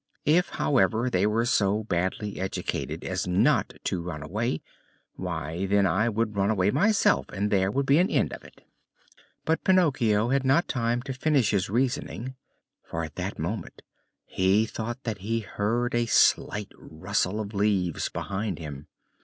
If, however, they were so badly educated as not to run away, why, then I would run away myself and there would be an end of it." But Pinocchio had not time to finish his reasoning, for at that moment he thought that he heard a slight rustle of leaves behind him.